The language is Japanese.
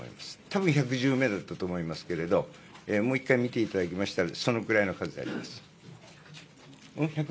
たぶん１１０名だったと思いますけれども、もう一回見ていただきましたら、そのくらいの数であります。